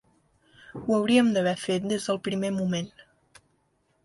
Ho hauríem d’haver fet des del primer moment.